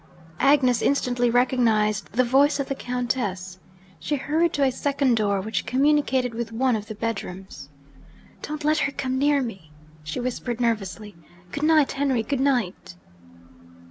Agnes instantly recognised the voice of the Countess. She hurried to a second door, which communicated with one of the bedrooms. 'Don't let her come near me!' she whispered nervously. 'Good night, Henry! good night!'